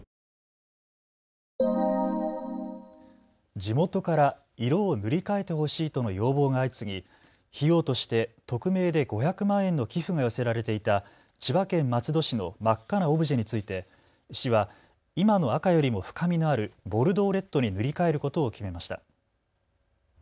地元から色を塗り替えてほしいとの要望が相次ぎ費用として匿名で５００万円の寄付が寄せられていた千葉県松戸市の真っ赤なオブジェについて市は今の赤よりも深みのあるボルドーレッドに塗り替えることを決めました。